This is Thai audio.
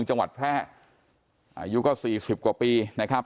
องค์จังหวัดแพร่อายุก็สี่สิบกว่าปีนะครับ